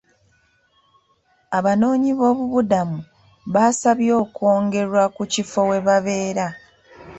Abanoonyiboobubudamu baasabye okwongerwa ku kifo we babeera.